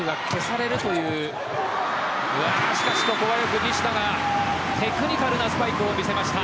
しかし、ここはよく西田がテクニカルなスパイクを見せました。